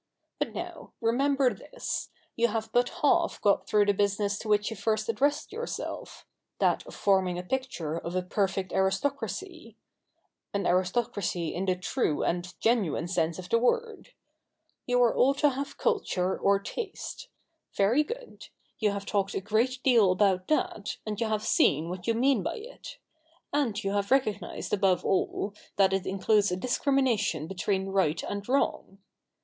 But now, remember this — you have but half got through the business to which you first addressed yourselves — that of forming a picture of a perfect aristo cracy—an aristocracy in the true and genuine sense of the word. You are all to have culture, or taste. Very good, you have talked a great deal about that, and you have seen what you mean by it ; and you have recognised, above all, that it includes a discrimination between right and wrong.